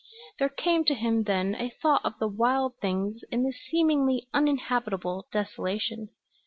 There came to him then a thought of the wild things in this seemingly uninhabitable desolation.